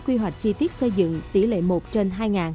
quy hoạch chi tiết xây dựng tỷ lệ một trên hai